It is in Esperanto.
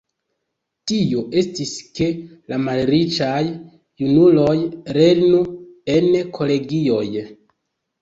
Tio estis, ke la malriĉaj junuloj lernu en kolegioj.